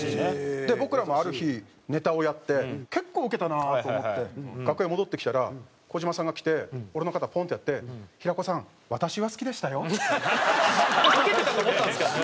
で僕らもある日ネタをやって結構ウケたなと思って楽屋戻ってきたら児島さんが来て俺の肩ポンッてやって「平子さん私は好きでしたよ」って。ウケてたと思ったんですけどね。